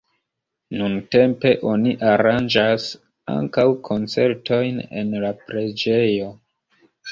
Nuntempe oni aranĝas ankaŭ koncertojn en la preĝejo.